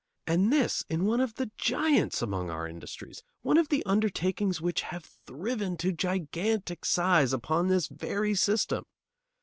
And this in one of the giants among our industries, one of the undertakings which have thriven to gigantic size upon this very system.